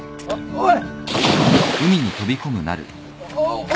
おい！